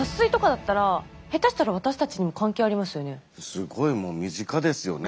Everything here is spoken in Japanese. すごいもう身近ですよね。